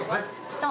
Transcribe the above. そう！